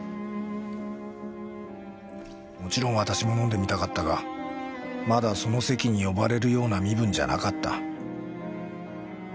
もちろん私も飲んでみたかったがまだその席に呼ばれるような身分じゃなかった。